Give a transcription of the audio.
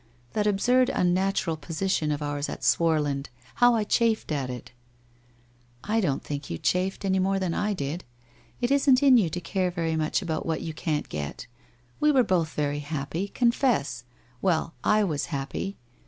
That absurd unnatural position of ours at Swarland — how I chafed at it !'' I don't think you chafed, any more than I did. It isn't in you to care very much about what you can't get. We were both very happy. Confess! Well, I was happy.